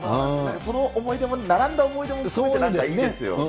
その思いでも、並んだ思い出も含めていいですよね。